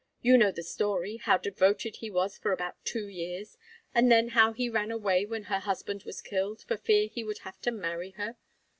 You know the story, how devoted he was for about two years, and then how he ran away when her husband was killed, for fear he would have to marry her.